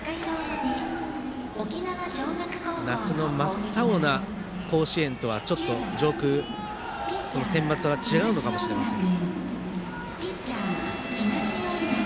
夏の真っ青な甲子園とは、上空センバツは違うのかもしれません。